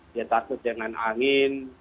dia takut dengan angin